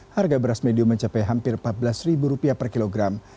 harga beras medium mencapai hampir rp empat belas per kilogram